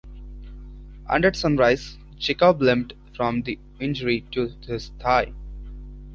And at sunrise, Jacob limped from the injury to his thigh.